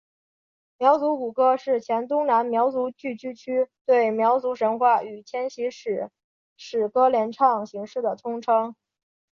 苗族古歌是黔东南苗族聚居区对苗族神话与迁徙史诗歌联唱形式的通称。